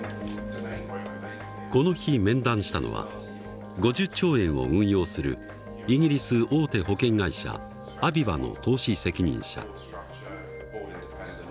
この日面談したのは５０兆円を運用するイギリス大手保険会社アビバの投資責任者。